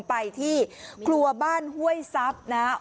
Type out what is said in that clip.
ไปที่ครัวบ้านห้วยซับ